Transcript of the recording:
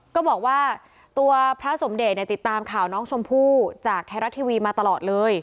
ก็บอกว่าตัวพระสมเดชติดตามข่าวน้องชมพู่จากไทยรัฐทีวีมาตลอดเลย